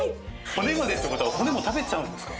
骨までって事は骨も食べちゃうんですか？